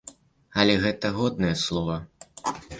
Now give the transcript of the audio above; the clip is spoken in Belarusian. Але гэта годнае слова.